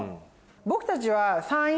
僕たちは。